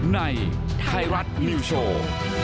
ในไทรัตน์มิวโชว์